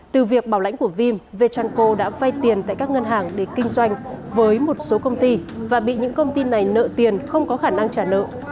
từ việc bảo lãnh của vim vechalco đã vay tiền tại các ngân hàng để kinh doanh với một số công ty và bị những công ty này nợ tiền không có khả năng trả nợ